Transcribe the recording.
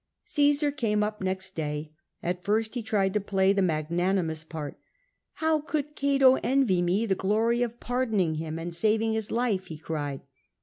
Caesar came up next day. At first he tried to play the magnanimous part : How could Cato envy me the glory of pardoning him and saving his life ?" he cried.